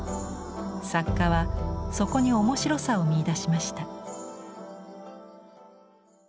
作家はそこに面白さを見いだしました。